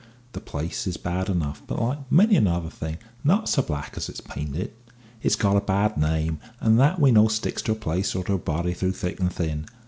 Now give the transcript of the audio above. The place is bad enough; but, like many another thing, not so black as it's painted. It's got a bad name, and that, we know, sticks to a place or to a body through thick and thin.